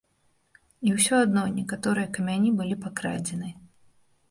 І ўсё адно, некаторыя камяні былі пакрадзены.